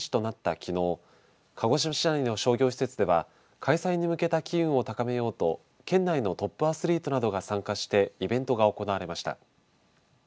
きのう鹿児島市内の商業施設では開催に向けた機運を高めようと県内のトップアスリートなどが参加してイベントが行われました。